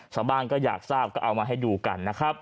ชาวบ้านก็อยากทราบเอามาให้ดูกัน